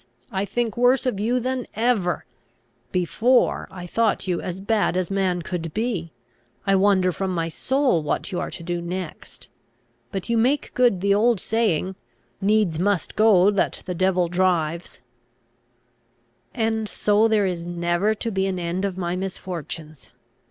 I think worse of you than ever! Before, I thought you as bad as man could be. I wonder from my soul what you are to do next. But you make good the old saying, 'Needs must go, that the devil drives.'" "And so there is never to be an end of my misfortunes!